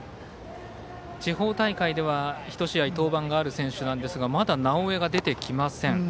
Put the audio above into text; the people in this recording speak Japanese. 地方大会では１試合登板がある選手なんですがまだ直江が出てきません。